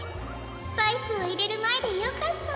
スパイスをいれるまえでよかった！